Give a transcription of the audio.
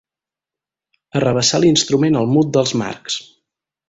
Arrabassar l'instrument al mut dels Marx.